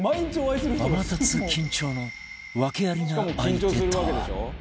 天達緊張の訳ありな相手とは？